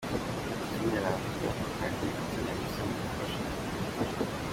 Ati “… Ikindi navuga , ntukajye utinya gusaba ubufasha.